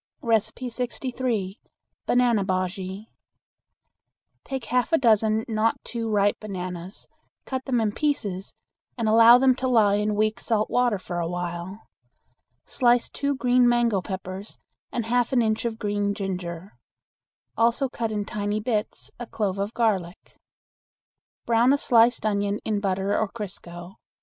63. Banana Bujea. Take half a dozen not too ripe bananas, cut them in pieces, and allow them to lie in weak salt water for a while. Slice two green mango peppers and half an inch of green ginger; also cut in tiny bits a clove of garlic. Brown a sliced onion in butter or crisco.